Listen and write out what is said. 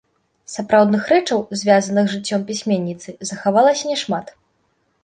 Сапраўдных рэчаў, звязаных з жыццём пісьменніцы, захавалася няшмат.